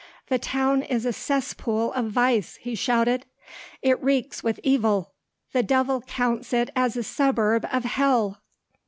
"The town is a cesspool of vice!" he shouted. "It reeks with evil! The devil counts it a suburb of hell!"